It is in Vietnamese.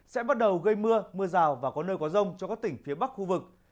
sẽ bắt đầu gây mưa mưa rào và có nơi có rông cho các tỉnh phía bắc khu vực